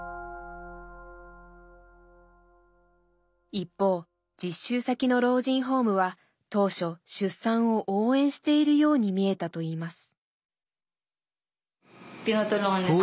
一方実習先の老人ホームは当初出産を応援しているように見えたといいます。